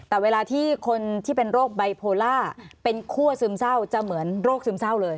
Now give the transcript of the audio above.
แต่เวลาที่คนที่เป็นโรคไบโพล่าเป็นคั่วซึมเศร้าจะเหมือนโรคซึมเศร้าเลย